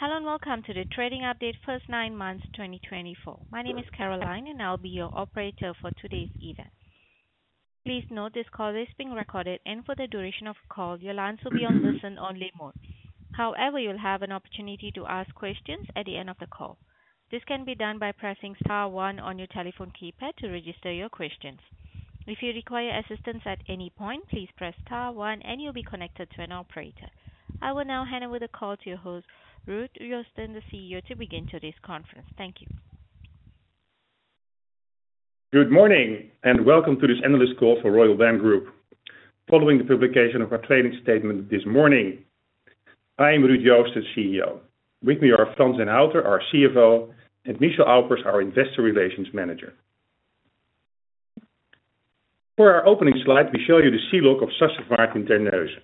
Hello and welcome to the Trading Update First Nine Months 2024. My name is Caroline, and I'll be your operator for today's event. Please note this call is being recorded, and for the duration of the call, your lines will be on listen-only mode. However, you'll have an opportunity to ask questions at the end of the call. This can be done by pressing star one on your telephone keypad to register your questions. If you require assistance at any point, please press star one, and you'll be connected to an operator. I will now hand over the call to your host, Ruud Joosten, the CEO, to begin today's conference. Thank you. Good morning, and welcome to this analyst call for Royal BAM Group, following the publication of our trading statement this morning. I am Ruud Joosten, CEO. With me are Frans den Houter, our CFO, and Michel Aupers, our Investor Relations Manager. For our opening slide, we show you the sea lock of Sassevaart in Terneuzen.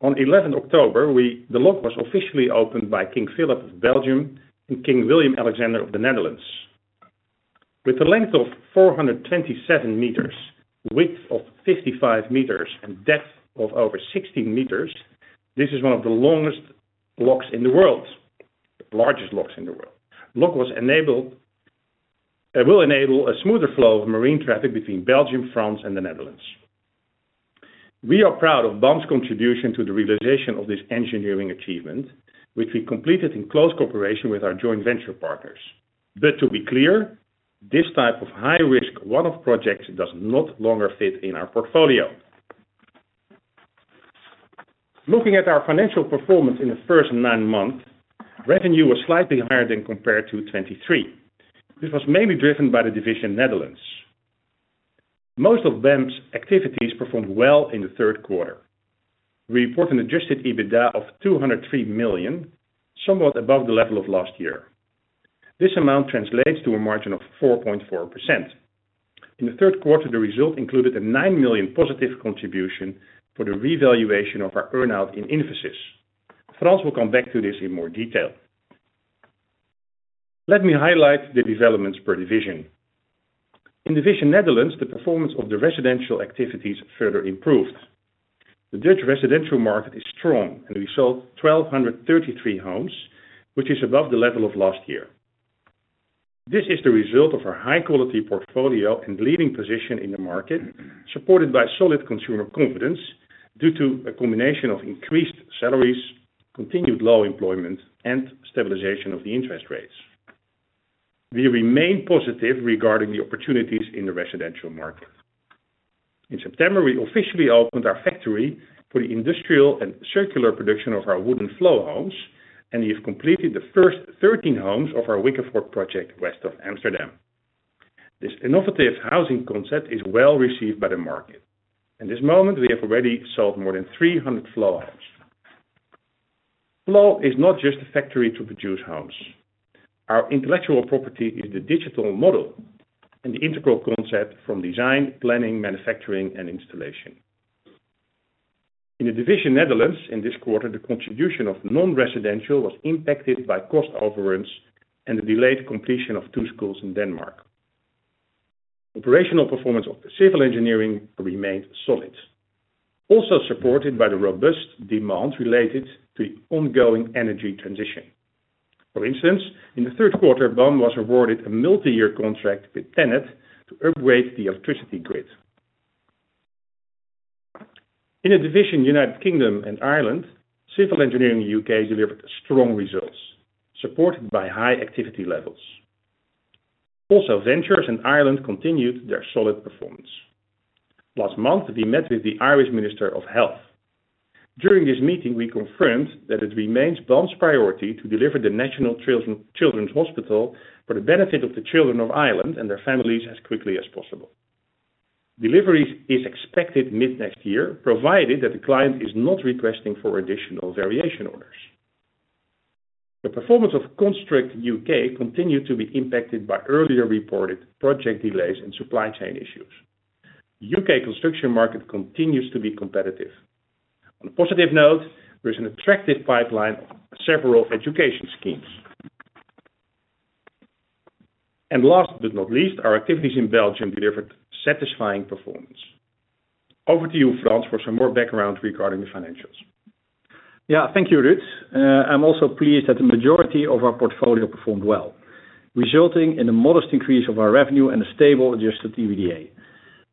On 11 October, the lock was officially opened by King Philippe of Belgium and King Willem-Alexander of the Netherlands. With a length of 427 m, a width of 55 m, and a depth of over 16 m, this is one of the longest locks in the world, the largest lock in the world. The lock will enable a smoother flow of marine traffic between Belgium, France, and the Netherlands. We are proud of BAM's contribution to the realization of this engineering achievement, which we completed in close cooperation with our joint venture partners. But to be clear, this type of high-risk one-off project no longer fits in our portfolio. Looking at our financial performance in the first nine months, revenue was slightly higher than compared to 2023. This was mainly driven by the division Netherlands. Most of BAM's activities performed well in the third quarter. We report an Adjusted EBITDA of 203 million, somewhat above the level of last year. This amount translates to a margin of 4.4%. In the third quarter, the result included a 9 million positive contribution for the revaluation of our earnout in Invesis. Frans will come back to this in more detail. Let me highlight the developments per division. In division Netherlands, the performance of the residential activities further improved. The Dutch residential market is strong, and we sold 1,233 homes, which is above the level of last year. This is the result of our high-quality portfolio and leading position in the market, supported by solid consumer confidence due to a combination of increased salaries, continued low employment, and stabilization of the interest rates. We remain positive regarding the opportunities in the residential market. In September, we officially opened our factory for the industrial and circular production of our wooden Flow homes, and we have completed the first 13 homes of our Wickevoort project west of Amsterdam. This innovative housing concept is well received by the market. At this moment, we have already sold more than 300 Flow homes. Flow is not just a factory to produce homes. Our intellectual property is the digital model and the integral concept from design, planning, manufacturing, and installation. In the division Netherlands, in this quarter, the contribution of non-residential was impacted by cost overruns and the delayed completion of two schools in Denmark. Operational performance of the civil engineering remained solid, also supported by the robust demand related to the ongoing energy transition. For instance, in the third quarter, BAM was awarded a multi-year contract with TenneT to upgrade the electricity grid. In the division United Kingdom and Ireland, civil engineering in the UK delivered strong results, supported by high activity levels. Also, ventures in Ireland continued their solid performance. Last month, we met with the Irish Minister of Health. During this meeting, we confirmed that it remains BAM's priority to deliver the National Children's Hospital for the benefit of the children of Ireland and their families as quickly as possible. Delivery is expected mid-next year, provided that the client is not requesting for additional variation orders. The performance of BAM Construct UK continued to be impacted by earlier reported project delays and supply chain issues. The UK construction market continues to be competitive. On a positive note, there is an attractive pipeline of several education schemes, and last but not least, our activities in Belgium delivered satisfying performance. Over to you, Frans, for some more background regarding the financials. Yeah, thank you, Ruud. I'm also pleased that the majority of our portfolio performed well, resulting in a modest increase of our revenue and a stable adjusted EBITDA.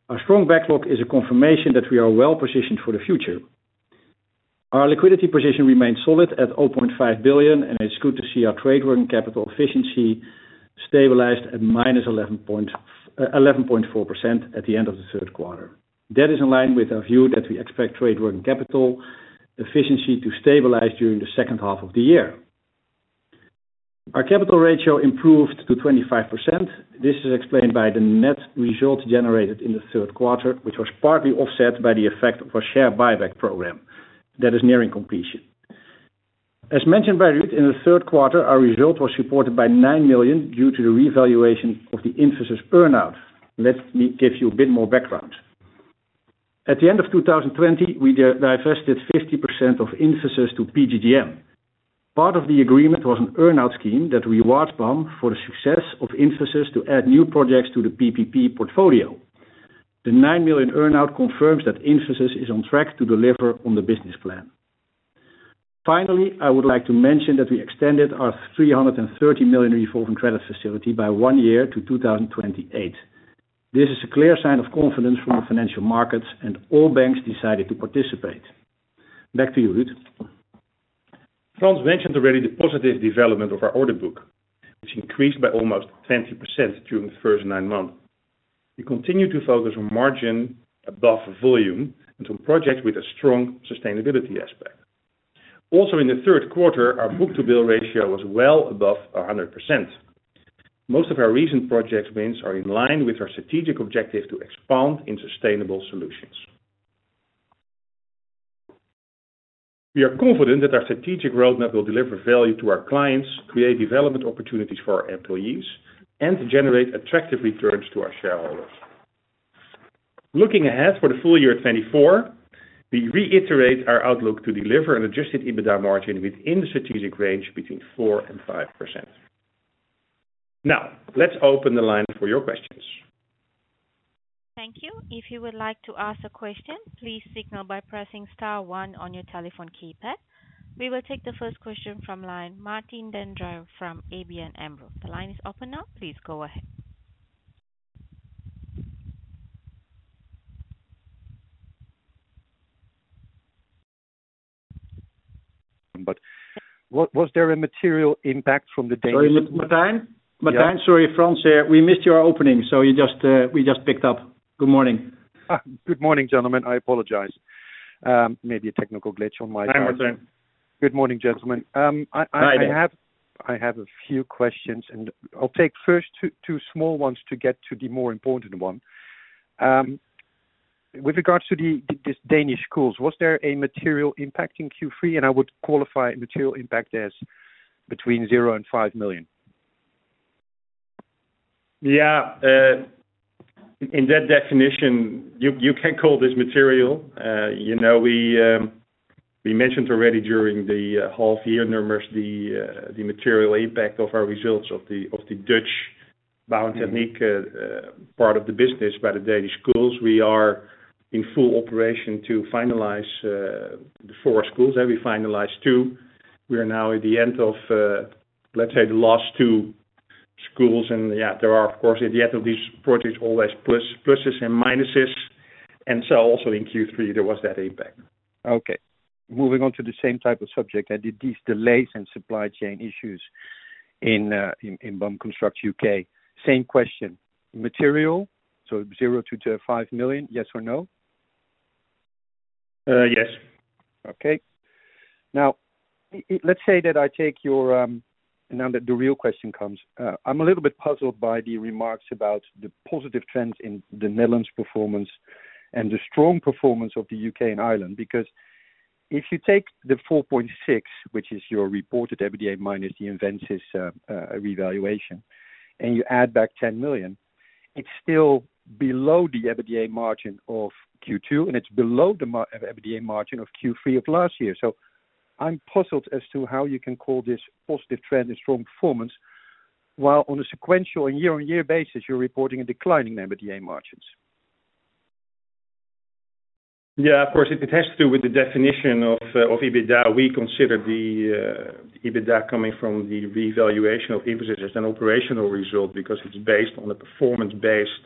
Our strong backlog is a confirmation that we are well positioned for the future. Our liquidity position remained solid at 0.5 billion, and it's good to see our trade working capital efficiency stabilized at -11.4% at the end of the third quarter. That is in line with our view that we expect trade working capital efficiency to stabilize during the second half of the year. Our capital ratio improved to 25%. This is explained by the net result generated in the third quarter, which was partly offset by the effect of our share buyback program that is nearing completion. As mentioned by Ruud, in the third quarter, our result was supported by 9 million due to the revaluation of the Invesis earnout. Let me give you a bit more background. At the end of 2020, we divested 50% of Invesis to PGGM. Part of the agreement was an earnout scheme that rewards BAM for the success of Invesis to add new projects to the PPP portfolio. The 9 million earnout confirms that Invesis is on track to deliver on the business plan. Finally, I would like to mention that we extended our 330 million Revolving Credit Facility by one year to 2028. This is a clear sign of confidence from the financial markets, and all banks decided to participate. Back to you, Ruud. Frans mentioned already the positive development of our order book, which increased by almost 20% during the first nine months. We continue to focus on margin above volume and on projects with a strong sustainability aspect. Also, in the third quarter, our book-to-bill ratio was well above 100%. Most of our recent project wins are in line with our strategic objective to expand in sustainable solutions. We are confident that our strategic roadmap will deliver value to our clients, create development opportunities for our employees, and generate attractive returns to our shareholders. Looking ahead for the full year 2024, we reiterate our outlook to deliver an Adjusted EBITDA margin within the strategic range between 4% and 5%. Now, let's open the line for your questions. Thank you. If you would like to ask a question, please signal by pressing *1 on your telephone keypad. We will take the first question from line Martijn den Drijver from ABN AMRO. The line is open now. Please go ahead. But was there a material impact from the day? Sorry, Martijn. Martijn, sorry, Frans, we missed your opening, so we just picked up. Good morning. Good morning, gentlemen. I apologize. Maybe a technical glitch on my side. Hi, Martijn. Good morning, gentlemen. I have a few questions, and I'll take first two small ones to get to the more important one. With regards to these Danish schools, was there a material impact in Q3? And I would qualify a material impact as between zero and 5 million. Yeah. In that definition, you can call this material. We mentioned already during the half-year numbers, the material impact of our results of the Dutch BAM Techniek part of the business by the Danish schools. We are in full operation to finalize the four schools. We finalized two. We are now at the end of, let's say, the last two schools. And yeah, there are, of course, at the end of these projects, always pluses and minuses. And so also in Q3, there was that impact. Okay. Moving on to the same type of subject, I did these delays and supply chain issues in BAM Construct UK. Same question. Material, so zero to 5 million, yes or no? Yes. Okay. Now, let's say that I take yours. Now that the real question comes. I'm a little bit puzzled by the remarks about the positive trends in the Netherlands' performance and the strong performance of the U.K. and Ireland, because if you take the 4.6, which is your reported EBITDA minus the Invesis revaluation, and you add back 10 million, it's still below the EBITDA margin of Q2, and it's below the EBITDA margin of Q3 of last year. So I'm puzzled as to how you can call this positive trend a strong performance while on a sequential and year-on-year basis, you're reporting a declining EBITDA margins. Yeah, of course, it has to do with the definition of EBITDA. We consider the EBITDA coming from the revaluation of Invesis as an operational result because it's based on a performance-based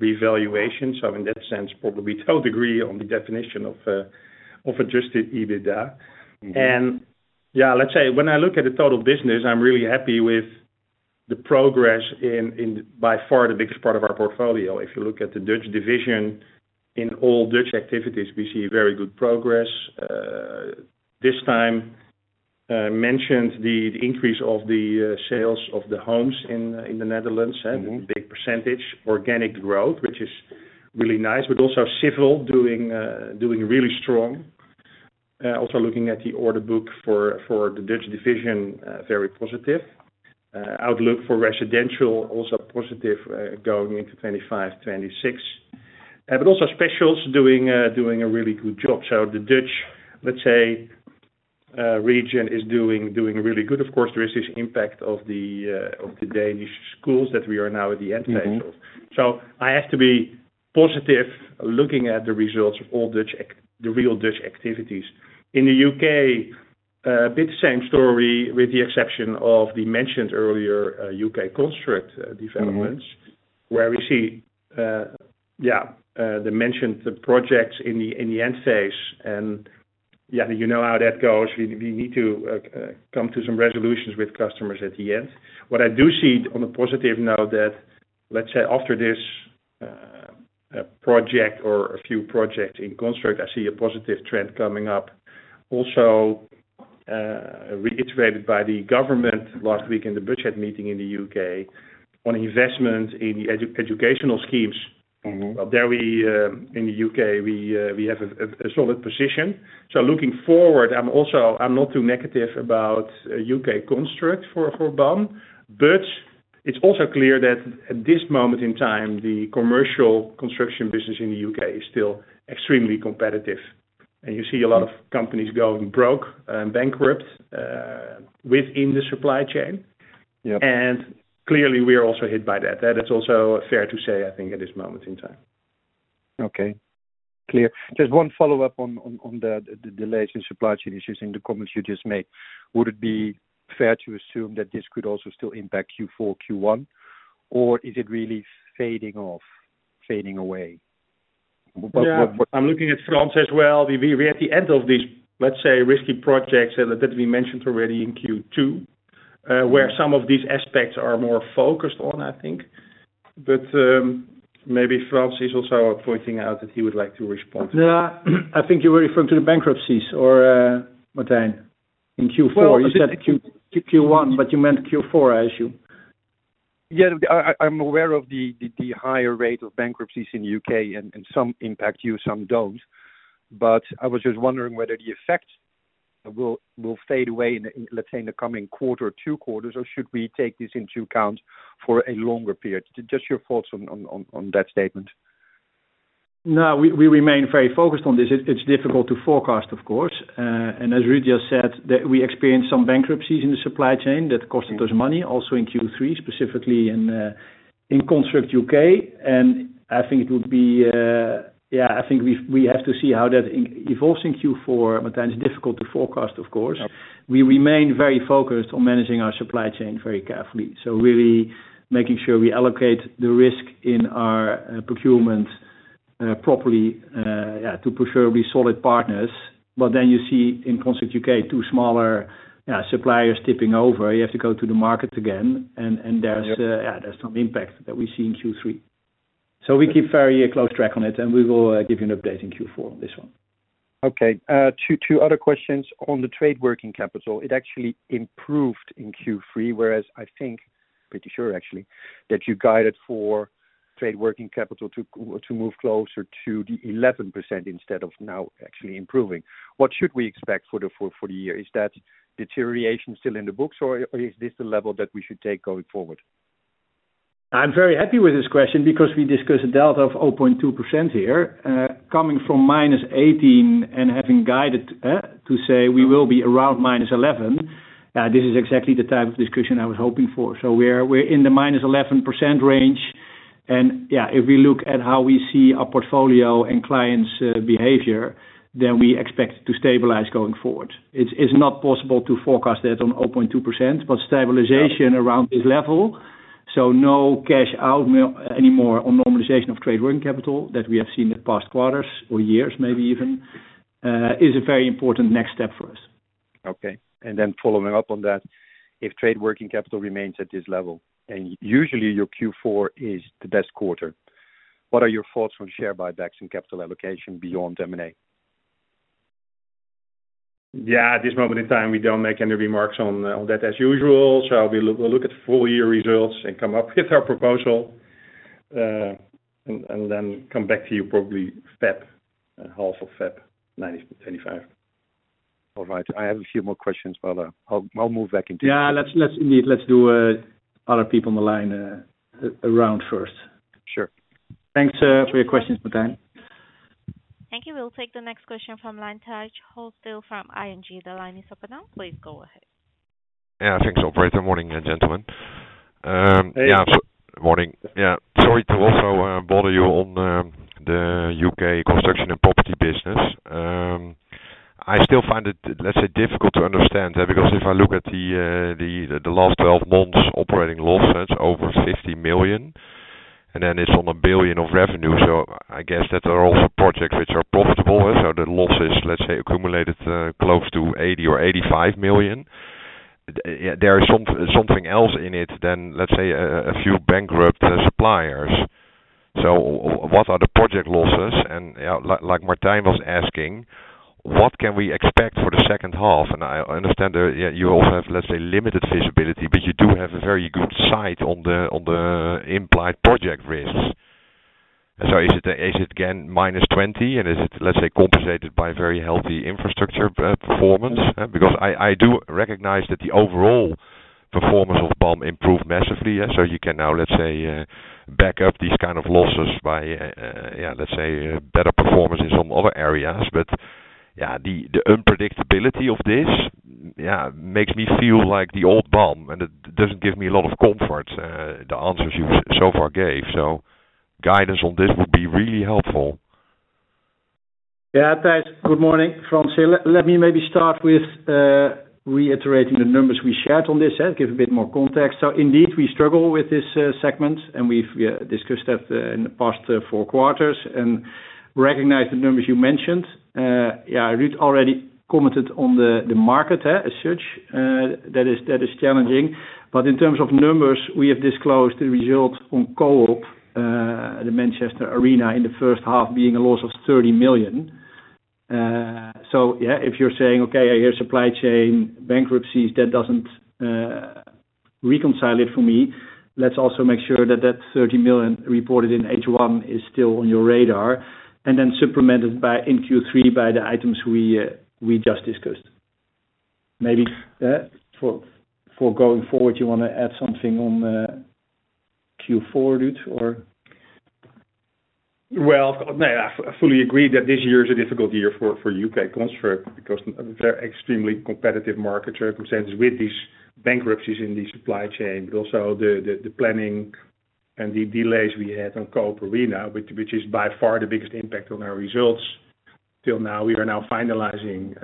revaluation. So in that sense, probably to a degree on the definition of adjusted EBITDA. Yeah, let's say when I look at the total business, I'm really happy with the progress in by far the biggest part of our portfolio. If you look at the Dutch division, in all Dutch activities, we see very good progress. This time, I mentioned the increase of the sales of the homes in the Netherlands, a big percentage, organic growth, which is really nice, but also civil doing really strong. Also looking at the order book for the Dutch division, very positive. Outlook for residential also positive going into 2025, 2026. But also specials doing a really good job. The Dutch, let's say, region is doing really good. Of course, there is this impact of the Danish schools that we are now at the end phase of. I have to be positive looking at the results of all the real Dutch activities. In the UK, a bit the same story with the exception of the mentioned earlier UK Construct developments, where we see, yeah, the mentioned projects in the end phase. And yeah, you know how that goes. We need to come to some resolutions with customers at the end. What I do see on a positive note that, let's say, after this project or a few projects in Construct, I see a positive trend coming up. Also, reiterated by the government last week in the budget meeting in the UK on investment in the educational schemes. There in the UK, we have a solid position. So looking forward, I'm also not too negative about Construct UK for BAM. [inaudible] But it's also clear that at this moment in time, the commercial construction business in the U.K. is still extremely competitive. And you see a lot of companies going broke and bankrupt within the supply chain. And clearly, we are also hit by that. That is also fair to say, I think, at this moment in time. Okay. Clear. Just one follow-up on the delays in supply chain issues in the comments you just made. Would it be fair to assume that this could also still impact Q4, Q1, or is it really fading off, fading away? I'm looking at Frans as well. We are at the end of these, let's say, risky projects that we mentioned already in Q2, where some of these aspects are more focused on, I think. But maybe Frans is also pointing out that he would like to respond. I think you were referring to the bankruptcies or, Martijn, in Q4. You said Q1, but you meant Q4, I assume. Yeah, I'm aware of the higher rate of bankruptcies in the UK, and some impact you, some don't. But I was just wondering whether the effect will fade away, let's say, in the coming quarter or two quarters, or should we take this into account for a longer period? Just your thoughts on that statement. No, we remain very focused on this. It's difficult to forecast, of course. And as Ruud just said, we experienced some bankruptcies in the supply chain that costed us money, also in Q3, specifically in Construct UK. And I think it would be, yeah, I think we have to see how that evolves in Q4. But then it's difficult to forecast, of course. We remain very focused on managing our supply chain very carefully, so really making sure we allocate the risk in our procurement properly to preferably solid partners. But then you see in Construct UK, two smaller suppliers tipping over. You have to go to the market again. And there's some impact that we see in Q3. So we keep very close track on it, and we will give you an update in Q4 on this one. Okay. Two other questions on the trade working capital. It actually improved in Q3, whereas I think, pretty sure actually, that you guided for trade working capital to move closer to the 11% instead of now actually improving. What should we expect for the year? Is that deterioration still in the books, or is this the level that we should take going forward? I'm very happy with this question because we discussed a delta of 0.2% here. Coming from -18% and having guided to say we will be around -11%, this is exactly the type of discussion I was hoping for, so we're in the -11% range. And yeah, if we look at how we see our portfolio and clients' behavior, then we expect to stabilize going forward. It's not possible to forecast that on 0.2%, but stabilization around this level, so no cash out anymore on normalization of trade working capital that we have seen in the past quarters or years maybe even, is a very important next step for us. Okay. And then following up on that, if trade working capital remains at this level, and usually your Q4 is the best quarter, what are your thoughts on share buybacks and capital allocation beyond M&A? Yeah, at this moment in time, we don't make any remarks on that as usual. So we'll look at full year results and come up with our proposal, and then come back to you probably half of February 2025. All right. I have a few more questions, but I'll move back into. Yeah, let's do other people on the line around first. Sure. Thanks for your questions, Martin. Thank you. We'll take the next question from Tijs Hollestelle from ING, the line is open now. Please go ahead. Yeah, thanks, Albert. Good morning, gentlemen. Yeah, morning. Yeah. Sorry to also bother you on the UK construction and property business. I still find it, let's say, difficult to understand because if I look at the last 12 months' operating loss, it's over 50 million, and then it's on 1 billion of revenue. So I guess that there are also projects which are profitable. So the loss is, let's say, accumulated close to 80 million or 85 million. There is something else in it than, let's say, a few bankrupt suppliers. So what are the project losses? And like Martijn was asking, what can we expect for the second half? And I understand you also have, let's say, limited visibility, but you do have a very good sight on the implied project risks. So is it again minus 20 million, and is it, let's say, compensated by very healthy infrastructure performance? Because I do recognize that the overall performance of BAM improved massively. So you can now, let's say, back up these kind of losses by, yeah, let's say, better performance in some other areas. But yeah, the unpredictability of this, yeah, makes me feel like the old BAM, and it doesn't give me a lot of comfort, the answers you so far gave. So guidance on this would be really helpful. Yeah, thanks. Good morning, Frans. Let me maybe start with reiterating the numbers we shared on this, give a bit more context. So indeed, we struggle with this segment, and we've discussed that in the past four quarters and recognize the numbers you mentioned. Yeah, Ruud already commented on the market as such. That is challenging. But in terms of numbers, we have disclosed the result on Co-op Live, the Manchester Arena, in the first half being a loss of 30 million. So yeah, if you're saying, "Okay, I hear supply chain bankruptcies," that doesn't reconcile it for me. Let's also make sure that that 30 million reported in H1 is still on your radar, and then supplemented in Q3 by the items we just discussed. Maybe for going forward, you want to add something on Q4, Ruud, or? Well, I fully agree that this year is a difficult year for UK Construct because of their extremely competitive market circumstances with these bankruptcies in the supply chain, but also the planning and the delays we had on Co-op Arena, which is by far the biggest impact on our results. Till now, we are now finalizing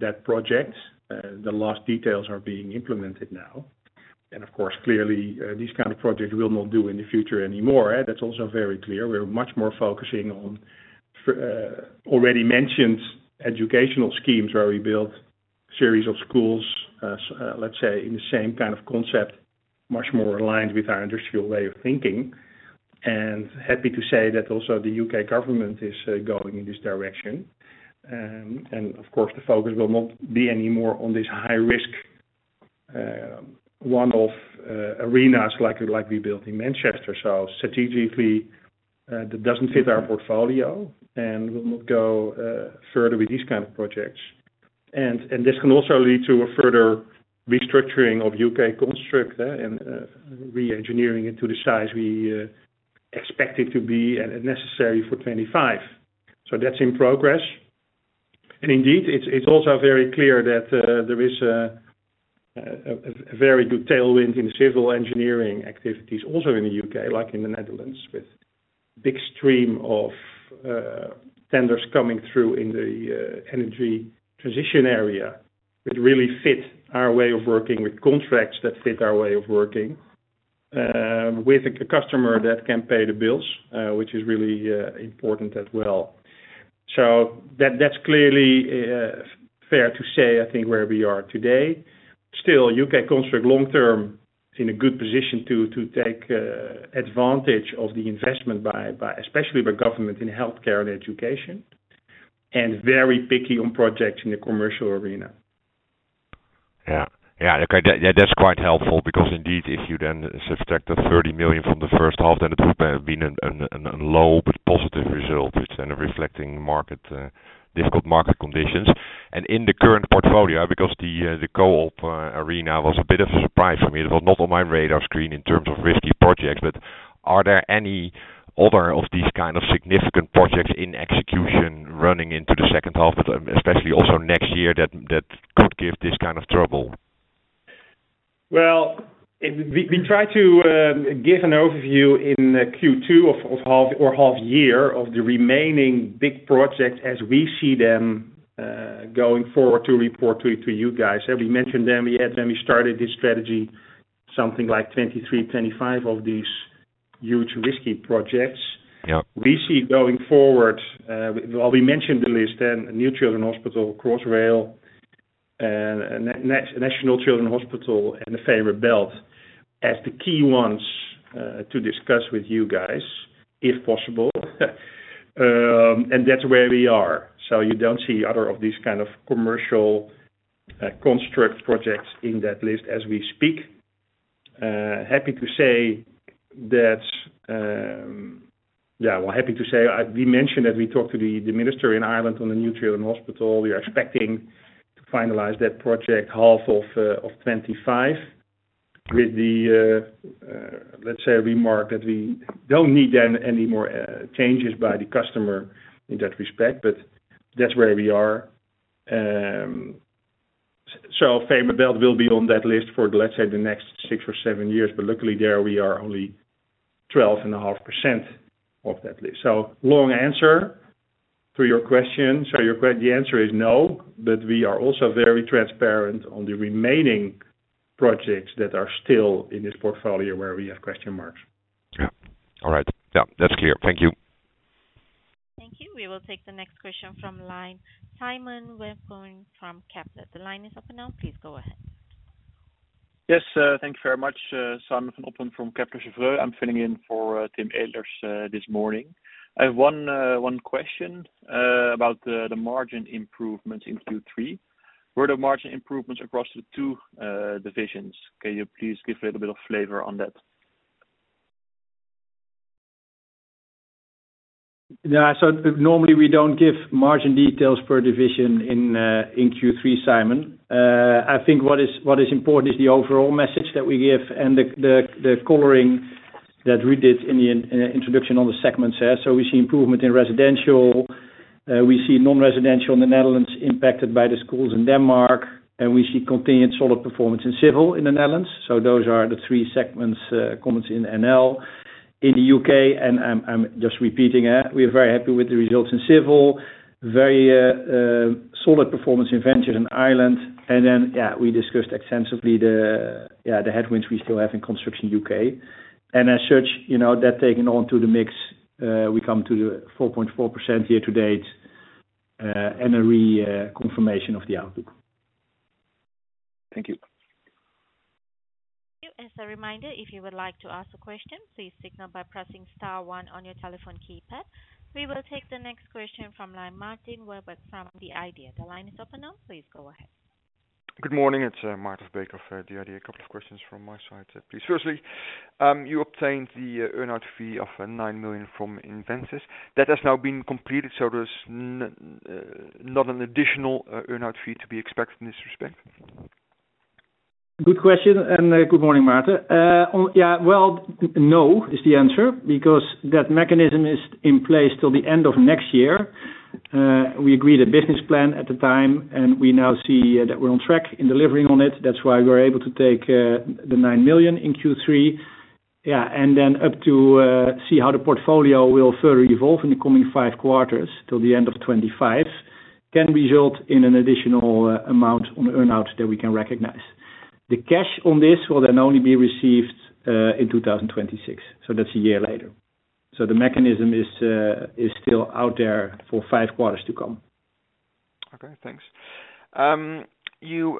that project. The last details are being implemented now. And of course, clearly, these kind of projects will not do in the future anymore. That's also very clear. We're much more focusing on already mentioned educational schemes where we build a series of schools, let's say, in the same kind of concept, much more aligned with our industrial way of thinking. And happy to say that also the UK government is going in this direction. And of course, the focus will not be anymore on this high-risk one-off arenas like we built in Manchester. So strategically, that doesn't fit our portfolio and will not go further with these kind of projects. And this can also lead to a further restructuring of U.K. Construct and re-engineering it to the size we expect it to be necessary for 2025. So that's in progress. And indeed, it's also very clear that there is a very good tailwind in civil engineering activities also in the U.K., like in the Netherlands, with a big stream of tenders coming through in the energy transition area that really fit our way of working with contracts that fit our way of working with a customer that can pay the bills, which is really important as well. So that's clearly fair to say, I think, where we are today. Still, BAM Construct UK long-term in a good position to take advantage of the investment, especially by government in healthcare and education, and very picky on projects in the commercial arena. Yeah. Yeah, that's quite helpful because indeed, if you then subtract the 30 million from the first half, then it would have been a low but positive result, which then reflecting difficult market conditions. And in the current portfolio, because the Co-op Arena was a bit of a surprise for me, it was not on my radar screen in terms of risky projects, but are there any other of these kind of significant projects in execution running into the second half, especially also next year, that could give this kind of trouble? We try to give an overview in Q2 or half year of the remaining big projects as we see them going forward to report to you guys. We mentioned them yet when we started this strategy, something like 23, 25 of these huge risky projects. We see going forward, while we mentioned the list, then New Children's Hospital, Crossrail, National Children's Hospital, and the Fehmarnbelt as the key ones to discuss with you guys, if possible. And that's where we are. You don't see other of these kind of commercial construction projects in that list as we speak. Happy to say we mentioned that we talked to the minister in Ireland on the New Children's Hospital. We are expecting to finalize that project half of 2025 with the, let's say, remark that we don't need any more changes by the customer in that respect, but that's where we are. So the Fehmarnbelt tunnel will be on that list for, let's say, the next six or seven years, but luckily there we are only 12.5% of that list. So long answer to your question. So the answer is no, but we are also very transparent on the remaining projects that are still in this portfolio where we have question marks. Yeah. All right. Yeah, that's clear. Thank you. Thank you. We will take the next question from line. Simon van Oppen from Kepler Cheuvreux. The line is open now. Please go ahead. Yes, thank you very much. Simon van Oppen from Kepler Cheuvreux. I'm filling in for Tim Ehlers this morning. I have one question about the margin improvements in Q3. Were there margin improvements across the two divisions? Can you please give a little bit of flavor on that? Yeah. So normally we don't give margin details per division in Q3, Simon. I think what is important is the overall message that we give and the coloring that Ruud did in the introduction on the segments there. So we see improvement in residential. We see non-residential in the Netherlands impacted by the schools in Denmark. And we see continued solid performance in civil in the Netherlands. So those are the three segments comments in NL. In the UK, and I'm just repeating, we are very happy with the results in civil. Very solid performance in ventures in Ireland. And then, yeah, we discussed extensively the headwinds we still have in construction UK. And as such, that taken on to the mix, we come to the 4.4% year to date and a reconfirmation of the outlook. Thank you. Thank you. As a reminder, if you would like to ask a question, please signal by pressing star one on your telephone keypad. We will take the next question from line Maarten Verbeek from The Idea. The line is open now. Please go ahead. Good morning. It's Maarten Verbeek for The Idea. A couple of questions from my side, please. Firstly, you obtained the earn-out fee of 9 million from Invesis. That has now been completed, so there's not an additional earn-out fee to be expected in this respect? Good question. And good morning, Martin. Yeah, well, no is the answer because that mechanism is in place till the end of next year. We agreed a business plan at the time, and we now see that we're on track in delivering on it. That's why we're able to take the 9 million in Q3. Yeah. And then up to see how the portfolio will further evolve in the coming five quarters till the end of 2025 can result in an additional amount on earnout that we can recognize. The cash on this will then only be received in 2026. So that's a year later. So the mechanism is still out there for five quarters to come. Okay. Thanks. You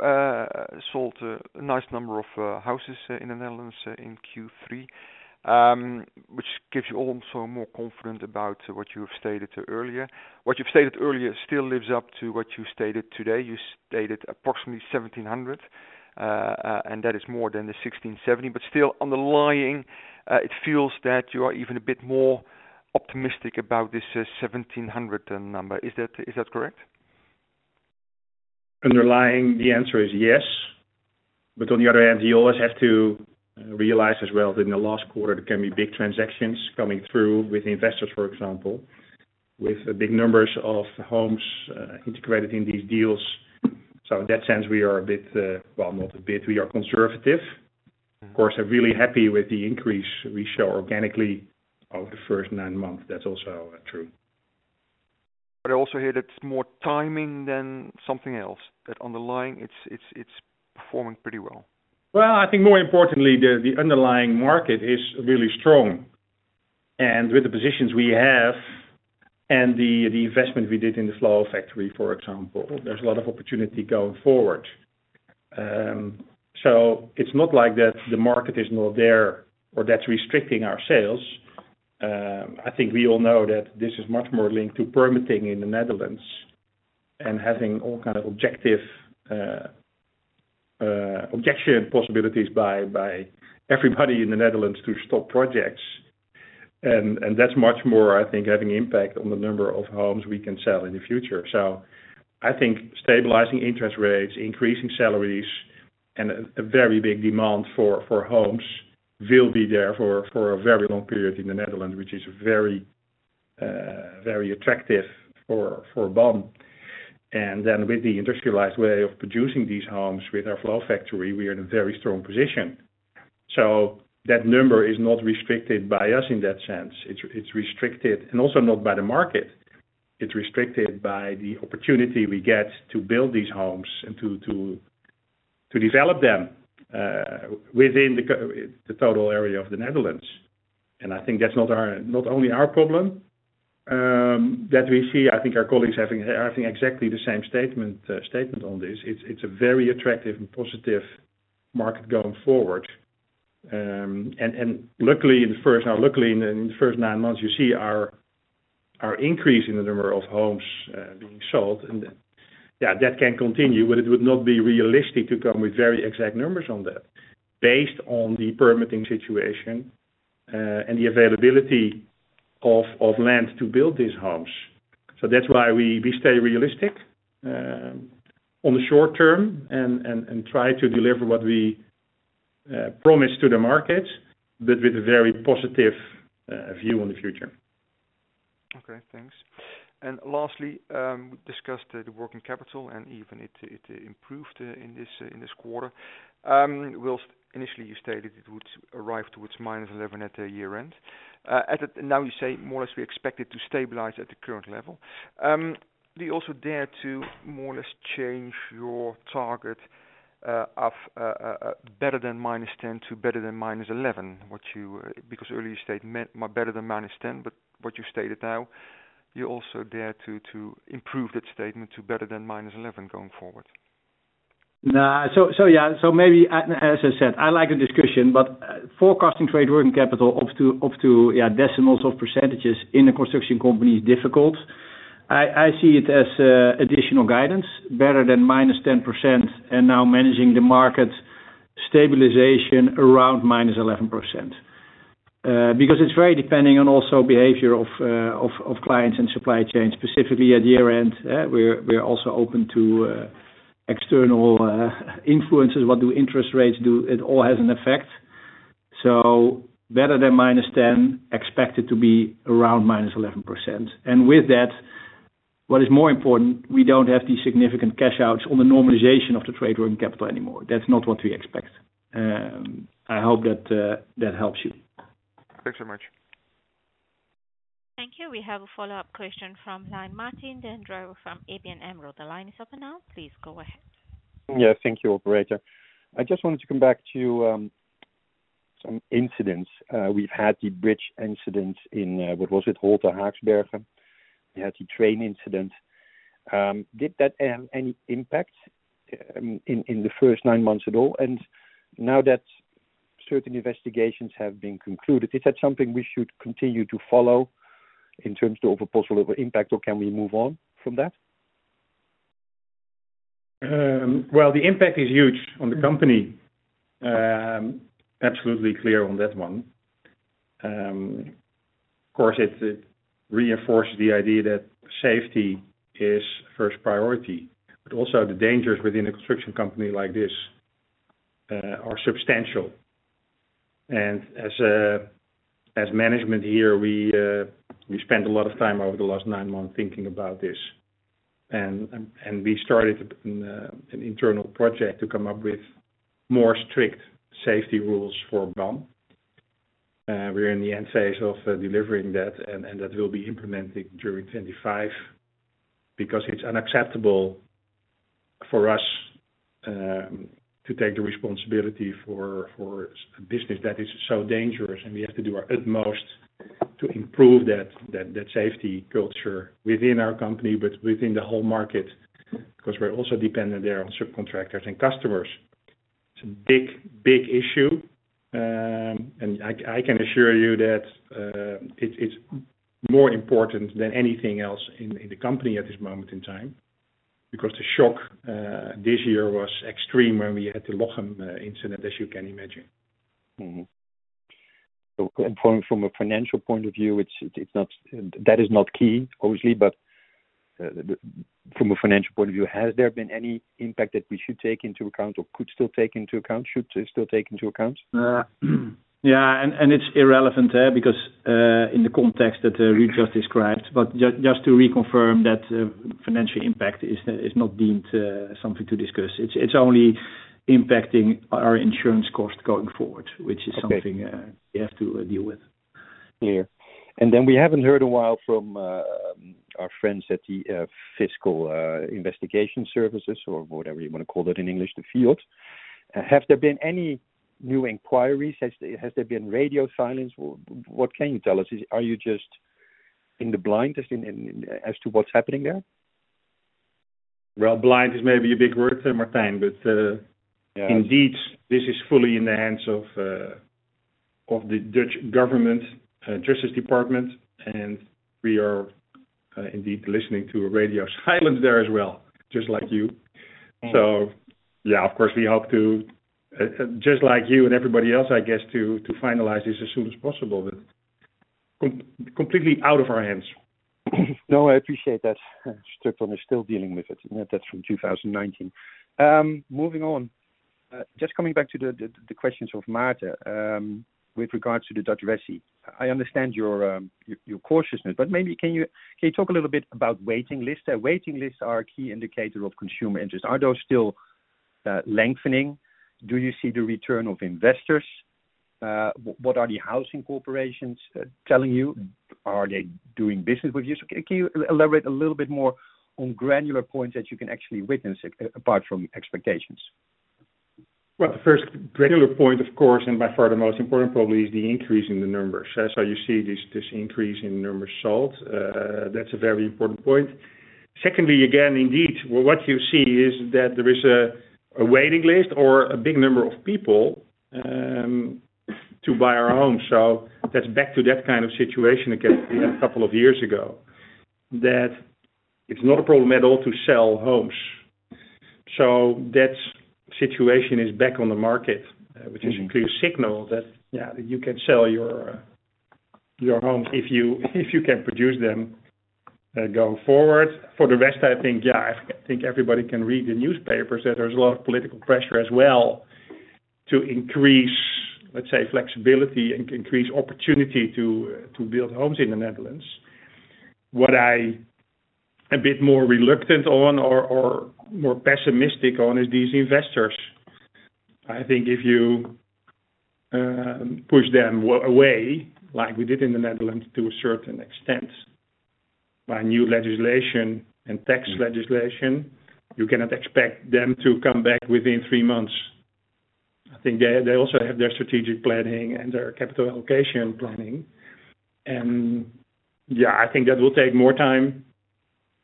sold a nice number of houses in the Netherlands in Q3, which gives you also more confidence about what you have stated earlier. What you've stated earlier still lives up to what you stated today. You stated approximately 1,700, and that is more than the 1,670. But still underlying, it feels that you are even a bit more optimistic about this 1,700 number. Is that correct? Underlying, the answer is yes. But on the other hand, you always have to realize as well that in the last quarter, there can be big transactions coming through with investors, for example, with big numbers of homes integrated in these deals. So in that sense, we are a bit, well, not a bit, we are conservative. Of course, I'm really happy with the increase we show organically over the first nine months. That's also true. But I also hear that it's more timing than something else. That underlying, it's performing pretty well. I think more importantly, the underlying market is really strong. And with the positions we have and the investment we did in the Flow factory, for example, there's a lot of opportunity going forward. So it's not like that the market is not there or that's restricting our sales. I think we all know that this is much more linked to permitting in the Netherlands and having all kinds of objective objection possibilities by everybody in the Netherlands to stop projects. And that's much more, I think, having impact on the number of homes we can sell in the future. So I think stabilizing interest rates, increasing salaries, and a very big demand for homes will be there for a very long period in the Netherlands, which is very, very attractive for BAM. And then with the industrialized way of producing these homes with our Flow factory, we are in a very strong position. So that number is not restricted by us in that sense. It's restricted, and also not by the market. It's restricted by the opportunity we get to build these homes and to develop them within the total area of the Netherlands. And I think that's not only our problem that we see. I think our colleagues are having exactly the same statement on this. It's a very attractive and positive market going forward. And luckily, in the first nine months, you see our increase in the number of homes being sold. And yeah, that can continue, but it would not be realistic to come with very exact numbers on that based on the permitting situation and the availability of land to build these homes. So that's why we stay realistic on the short term and try to deliver what we promised to the market, but with a very positive view on the future. Okay. Thanks, and lastly, we discussed the working capital and even it improved in this quarter. Initially, you stated it would arrive to its -11% at the year-end. Now you say more or less we expect it to stabilize at the current level. Do you also dare to more or less change your target of better than -10% to better than -11%? Because earlier you stated better than -10%, but what you stated now, you also dare to improve that statement to better than -11% going forward? No. So yeah, so maybe, as I said, I like the discussion, but forecasting trade working capital up to decimals of percentages in a construction company is difficult. I see it as additional guidance, better than -10%, and now managing the market stabilization around -11%. Because it's very depending on also behavior of clients and supply chain, specifically at year-end. We're also open to external influences. What do interest rates do? It all has an effect. So better than -10%, expected to be around -11%. And with that, what is more important, we don't have these significant cash outs on the normalization of the trade working capital anymore. That's not what we expect. I hope that helps you. Thanks so much. Thank you. We have a follow-up question from line Martijn den Drijver from ABN AMRO. The line is open now. Please go ahead. Yeah. Thank you, Operator. I just wanted to come back to some incidents. We've had the bridge incident in, what was it, Lochem. We had the train incident. Did that have any impact in the first nine months at all? And now that certain investigations have been concluded, is that something we should continue to follow in terms of a possible impact, or can we move on from that? The impact is huge on the company. Absolutely clear on that one. Of course, it reinforces the idea that safety is first priority, but also the dangers within a construction company like this are substantial. As management here, we spent a lot of time over the last nine months thinking about this. We started an internal project to come up with more strict safety rules for BAM. We're in the end phase of delivering that, and that will be implemented during 2025 because it's unacceptable for us to take the responsibility for a business that is so dangerous, and we have to do our utmost to improve that safety culture within our company, but within the whole market because we're also dependent there on subcontractors and customers. It's a big, big issue. I can assure you that it's more important than anything else in the company at this moment in time because the shock this year was extreme when we had the Lochem incident, as you can imagine. So from a financial point of view, that is not key, obviously, but from a financial point of view, has there been any impact that we should take into account or could still take into account, should still take into account? Yeah. And it's irrelevant there because in the context that Ruud just described, but just to reconfirm that financial impact is not deemed something to discuss. It's only impacting our insurance cost going forward, which is something we have to deal with. Clear, and then we haven't heard a while from our friends at the fiscal investigation services or whatever you want to call that in English, FIOD. Have there been any new inquiries? Has there been radio silence? What can you tell us? Are you just in the blind as to what's happening there? Well, blind is maybe a big word, Martin, but indeed, this is fully in the hands of the Dutch government justice department, and we are indeed listening to radio silence there as well, just like you. So yeah, of course, we hope to, just like you and everybody else, I guess, to finalize this as soon as possible, but completely out of our hands. No, I appreciate that. Strukton is still dealing with it. That's from 2019. Moving on. Just coming back to the questions of Maarten with regards to the Dutch resi. I understand your cautiousness, but maybe can you talk a little bit about waiting lists? Waiting lists are a key indicator of consumer interest. Are those still lengthening? Do you see the return of investors? What are the housing corporations telling you? Are they doing business with you? So can you elaborate a little bit more on granular points that you can actually witness apart from expectations? The first granular point, of course, and by far the most important probably is the increase in the numbers. So you see this increase in the number sold. That's a very important point. Secondly, again, indeed, what you see is that there is a waiting list or a big number of people to buy our homes. So that's back to that kind of situation again a couple of years ago that it's not a problem at all to sell homes. So that situation is back on the market, which is a clear signal that, yeah, you can sell your homes if you can produce them going forward. For the rest, I think, yeah, I think everybody can read the newspapers that there's a lot of political pressure as well to increase, let's say, flexibility and increase opportunity to build homes in the Netherlands. What I am a bit more reluctant on or more pessimistic on is these investors. I think if you push them away, like we did in the Netherlands to a certain extent by new legislation and tax legislation, you cannot expect them to come back within three months. I think they also have their strategic planning and their capital allocation planning. And yeah, I think that will take more time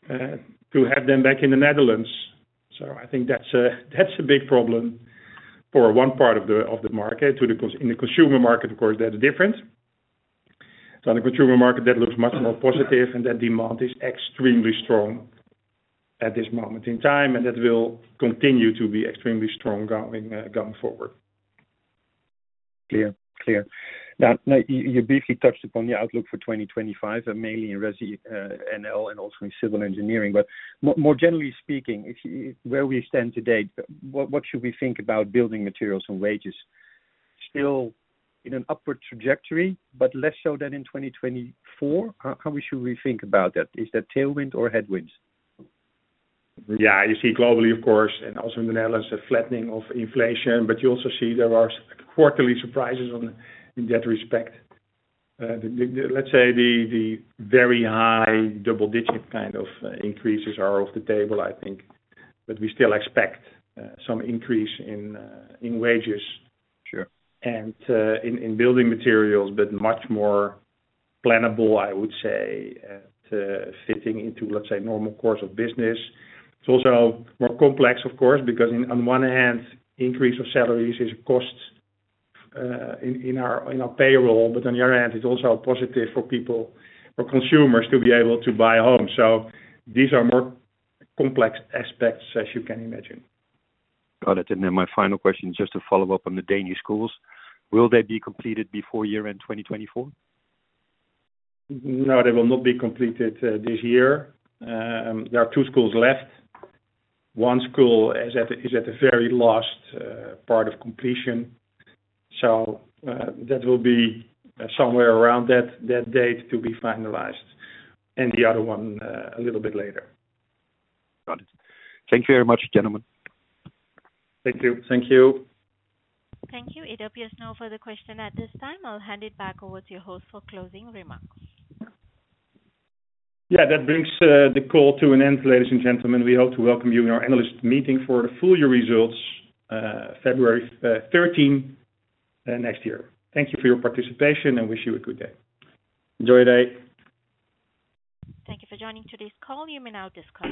to have them back in the Netherlands. So I think that's a big problem for one part of the market. In the consumer market, of course, that's different. So in the consumer market, that looks much more positive, and that demand is extremely strong at this moment in time, and that will continue to be extremely strong going forward. Clear. Clear. Now, you briefly touched upon your outlook for 2025, mainly in resi and also in civil engineering. But more generally speaking, where we stand today, what should we think about building materials and wages? Still in an upward trajectory, but less so than in 2024? How should we think about that? Is that tailwind or headwinds? Yeah. You see globally, of course, and also in the Netherlands, a flattening of inflation, but you also see there are quarterly surprises in that respect. Let's say the very high double-digit kind of increases are off the table, I think, but we still expect some increase in wages and in building materials, but much more plannable, I would say, and fitting into, let's say, normal course of business. It's also more complex, of course, because on one hand, increase of salaries is a cost in our payroll, but on the other hand, it's also positive for people or consumers to be able to buy homes. So these are more complex aspects, as you can imagine. Got it. And then my final question is just to follow up on the Danish schools. Will they be completed before year-end 2024? No, they will not be completed this year. There are two schools left. One school is at the very last part of completion, so that will be somewhere around that date to be finalized, and the other one a little bit later. Got it. Thank you very much, gentlemen. Thank you. Thank you. Thank you. It appears no further question at this time. I'll hand it back over to your host for closing remarks. Yeah. That brings the call to an end, ladies and gentlemen. We hope to welcome you in our analyst meeting for the full year results February 13 next year. Thank you for your participation and wish you a good day. Enjoy your day. Thank you for joining today's call. You may now disconnect.